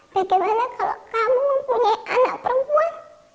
bagaimana kalau kamu mempunyai anak perempuan